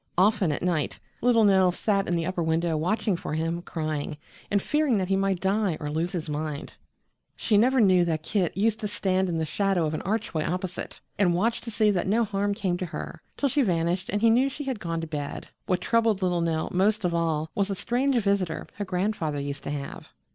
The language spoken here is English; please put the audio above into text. Often at night little Nell sat at the upper window, watching for him, crying, and fearing that he might die or lose his mind; she never knew that Kit used to stand in the shadow of an archway opposite and watch to see that no harm came to her, till she vanished and he knew she had gone to bed. What troubled little Nell most of all was a strange visitor her grandfather used to have.